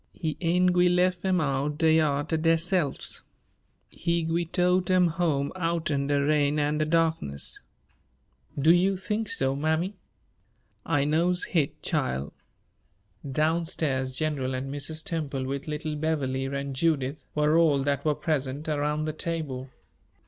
He ain' gwi' lef 'em out d'yar ter deyselves. He gwi' tote 'em home outen' de rain an' de darkness." "Do you think so, mammy?" "I knows hit, chile." Down stairs, General and Mrs. Temple, with little Beverley and Judith, were all that were present around the table.